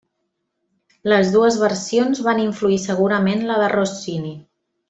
Les dues versions van influir segurament la de Rossini.